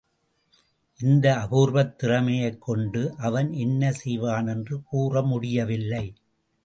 இந்த அபூர்வத் திறமையைக் கொண்டு அவன் என்ன செய்வானென்று கூற முடியவில்லை.